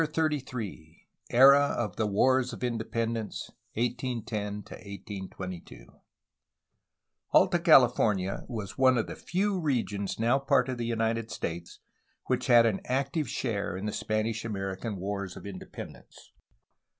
CHAPTER XXXIII ERA OF THE WARS OF INDEPENDENCE, 1810 1822 Alta California was one of the few regions now part of the United States which had an active share in the Spanish American Wars of Independence.